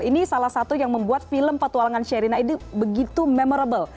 ini salah satu yang membuat film petualangan sherina ini begitu memorable